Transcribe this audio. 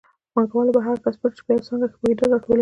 پانګوالو به هغه کسبګر چې په یوه څانګه کې پوهېدل راټولول